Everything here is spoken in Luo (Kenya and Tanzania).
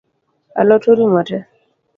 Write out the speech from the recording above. A lot orumo tee?